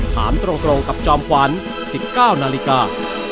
ถามตรงกับจอมขวัญ๑๙นาฬิกา